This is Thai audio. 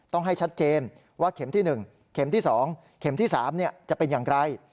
ต้องให้ชัดเจนว่าเข็มที่๑เข็มที่๒เข็มที่๓จะเป็นอย่างไร